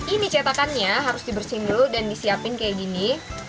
ini cetakannya harus dibersihin dulu dan disiapin kayak gini